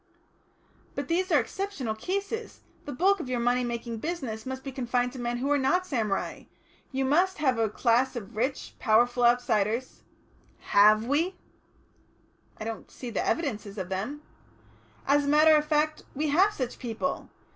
"But these are exceptional cases. The bulk of your money making business must be confined to men who are not samurai. You must have a class of rich, powerful outsiders " "Have we?" "I don't see the evidences of them." "As a matter of fact, we have such people!